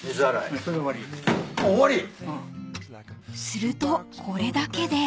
［するとこれだけで］